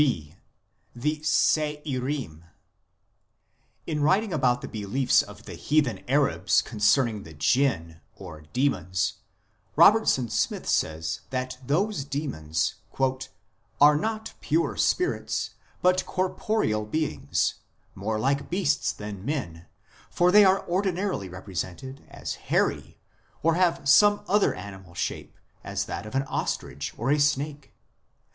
(b) The Se irim. In writing about the beliefs of the heathen Arabs concerning the Jinn, or demons, Robertson Smith says that these demons " are not pure spirits, but corporeal beings, more like beasts than men, for they are ordinarily represented as hairy, or have some other animal shape, as that of an ostrich or a snake.